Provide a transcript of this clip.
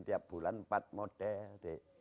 tiap bulan empat model